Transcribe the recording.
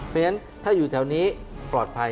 เพราะฉะนั้นถ้าอยู่แถวนี้ปลอดภัย